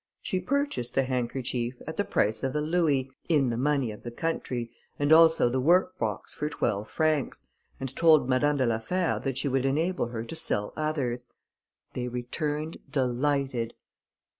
She purchased the handkerchief, at the price of a louis, in the money of the country, and also the work box for twelve francs, and told Madame de la Fère that she would enable her to sell others. They returned delighted.